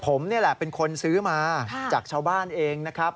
ผมนี่แหละเป็นคนซื้อมาจากชาวบ้านเองนะครับ